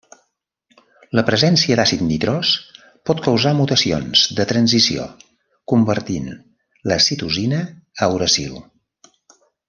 La presència d'àcid nitrós pot causar mutacions de transició convertint la citosina a uracil.